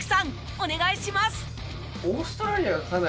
お願いします！